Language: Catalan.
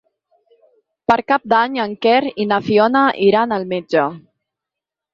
Per Cap d'Any en Quer i na Fiona iran al metge.